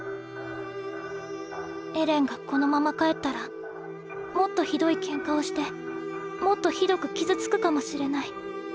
エレンがこのまま帰ったらもっとひどいケンカをしてもっとひどく傷つくかもしれない。